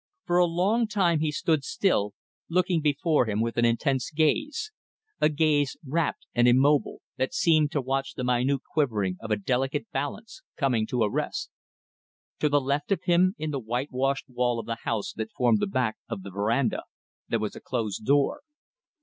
For a long time he stood still, looking before him with an intense gaze, a gaze rapt and immobile, that seemed to watch the minute quivering of a delicate balance, coming to a rest. To the left of him, in the whitewashed wall of the house that formed the back of the verandah, there was a closed door.